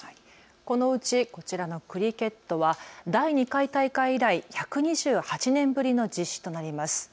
このうちこちらのクリケットは第２回大会以来１２８年ぶりの実施となります。